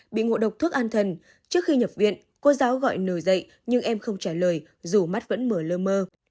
bị ngộ độc thuốc an thần trước khi nhập viện cô giáo gọi nổi dậy nhưng em không trả lời dù mắt vẫn mờ lơ mơ